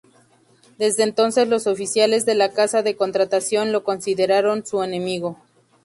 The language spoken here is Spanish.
Desde entonces los oficiales de la Casa de Contratación lo consideraron su enemigo.